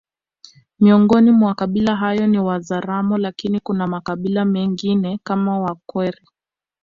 Miongoni mwa kabila hayo ni Wazaramo lakini kuna makabila mengine kama wakwere